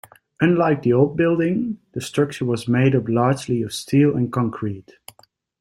Unlike the old building, the structure was made up largely of steel and concrete.